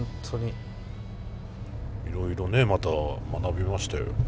いろいろねまた学びましたよ。